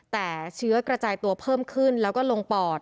แต่เชื้อกระจายตัวเพิ่มขึ้นแล้วก็ลงปอด